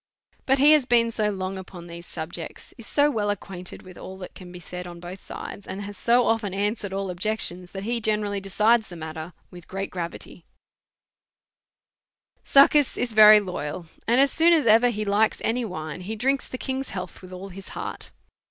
But he has been so long upon these subjects, is so well acquainted with all that can be said on both sides, and has so often answered all objections, that he generally decides the matter with great giavity, Succus is very loyal, and as soon as ever he likes any wine he drinks the king's health with all his heart.